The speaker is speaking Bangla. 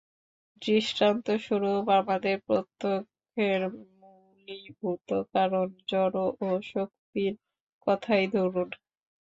দৃষ্টান্তস্বরূপ আমাদের প্রত্যক্ষের মূলীভূত কারণ জড় ও শক্তির কথাই ধরুন।